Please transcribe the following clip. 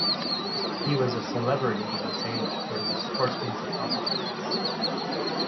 He was a celebrity in his age for his sportsman's accomplishments.